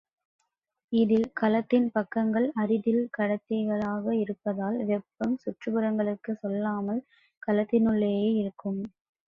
இதில் கலத்தின் பக்கங்கள் அரிதில் கடத்திகளாக இருப்பதால், வெப்பம் சுற்றுப்புறங்களுக்குச் செல்லாமல் கலத்தினுள்ளேயே இருக்கும்.